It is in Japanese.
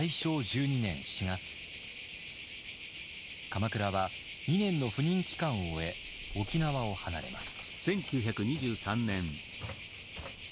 鎌倉は２年の赴任期間を終え沖縄を離れます。